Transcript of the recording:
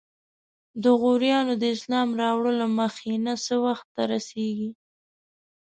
د غوریانو د اسلام راوړلو مخینه څه وخت ته رسیږي؟